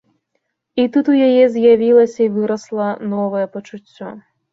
І тут у яе з'явілася і вырасла новае пачуццё.